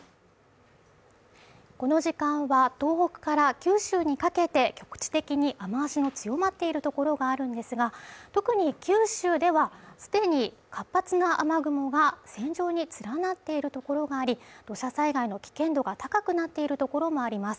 この時間は、東北から九州にかけて、局地的に雨脚の強まっているところがあるんですが、特に九州では、既に活発な雨雲が線状に連なっているところがあり土砂災害の危険度が高くなっているところもあります。